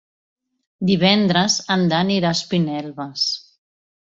Divendres en Dan irà a Espinelves.